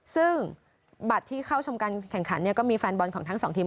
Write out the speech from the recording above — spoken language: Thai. ซึ่งบัตรที่เข้าชมการแข่งขันเนี่ยก็มีแฟนบอลของทั้งสองทีม